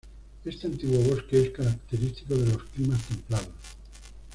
Este antiguo bosque es característico de los climas templados.